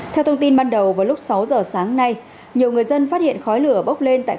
theo thông tin ban đầu vào lúc sáu giờ sáng nay nhiều người dân phát hiện khói lửa bốc lên tại